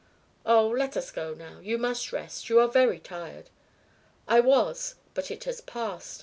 '" "Oh let us go now. You must rest. You are very tired." "I was. But it has passed.